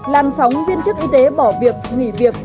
làm sống viên chức y tế bỏ việc nghỉ việc